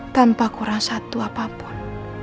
tanpa kurang satu apapun